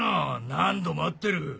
何度も会ってる。